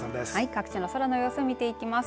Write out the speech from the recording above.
各地の空の様子を見ていきます。